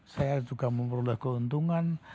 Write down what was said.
saya juga memperoleh keuntungan